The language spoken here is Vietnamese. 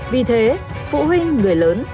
vì thế phụ huynh người lớn